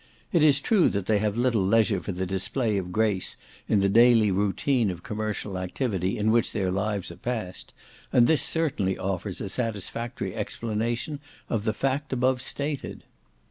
It is true that they have little leisure for the display of grace in the daily routine of commercial activity in which their lives are passed, and this certainly offers a satisfactory explanation of the fact above stated.